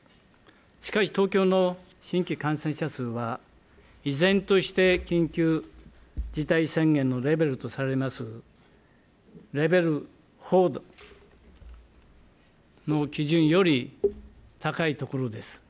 しかし、東京の新規感染者数は、依然として緊急事態宣言のレベルとされますレベル４の基準より高いところです。